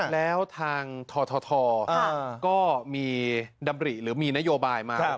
แล้วทางททก็มีดำริหรือมีนโยบายมา